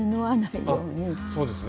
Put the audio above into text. そうですね。